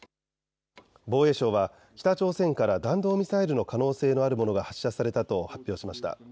防衛省は北朝鮮から弾道ミサイルの可能性のあるものが発射されたと発表しました。